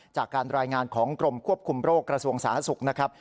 จากการรายงานของกรมควบคุมโรคกระทรวงสาธารณสุขนะครับ